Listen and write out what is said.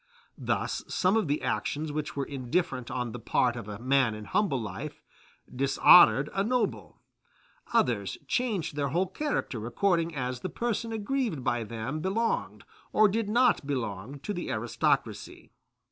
Thus some of the actions which were indifferent on the part of a man in humble life, dishonored a noble; others changed their whole character according as the person aggrieved by them belonged or did not belong to the aristocracy.